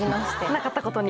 なかったことに？